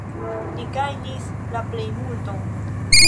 Li gajnis la plejmulton.